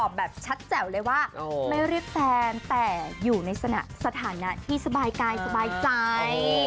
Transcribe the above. แบบชัดแจ๋วเลยว่าไม่เรียกแฟนแต่อยู่ในสถานะที่สบายกายสบายใจ